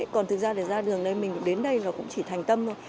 còn thực ra ra đường mình đến đây cũng chỉ thành tâm thôi